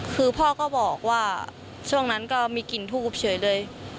คือพ่อก็บอกว่าช่วงนั้นก็มีกลิ่นทูบเฉยเลย